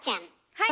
はい！